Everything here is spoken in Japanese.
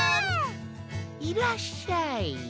いらっしゃい。